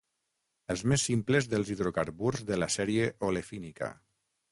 Els més simples dels hidrocarburs de la sèrie olefínica.